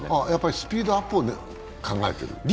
やっぱりスピードアップを考えている？